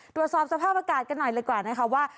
ตรวจสอบสภาพอากาศกันหน่อยเลยกว่านะคะว่า